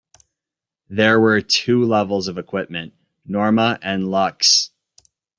There were two levels of equipment: Norma and Luxe.